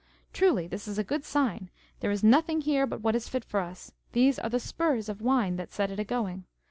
Truly this is a good sign; there is nothing here but what is fit for us; these are the spurs of wine, that set it a going.